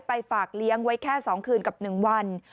ไปฝากเลี้ยงไว้แค่สองคืนกับหนึ่งวัน